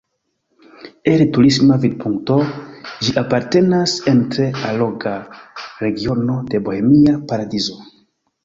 El turisma vidpunkto ĝi apartenas en tre alloga regiono de Bohemia paradizo.